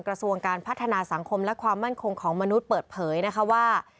กระทรวงการพัฒนาสังคมและความมั่นคงของมนุษย์เปิดเผยนะคะว่า